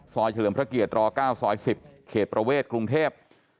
เฉลิมพระเกียร๙ซอย๑๐เขตประเวทกรุงเทพ